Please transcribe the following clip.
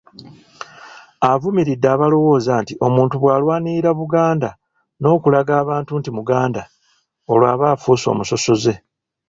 Avumiridde abalowooza nti omuntu bw’alwanirira Buganda n’okulaga abantu nti Muganda, olwo aba afuuse musosoze.